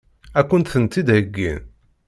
Ad kent-tent-id-heggin?